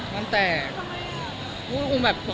มันก็แต่ควินคลิกการยัดใดเดิม